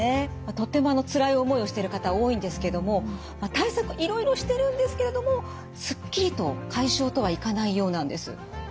とってもつらい思いをしている方多いんですけども対策いろいろしてるんですけれどもスッキリと解消とはいかないようなんです。